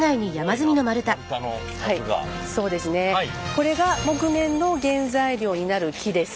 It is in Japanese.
これが木毛の原材料になる木です。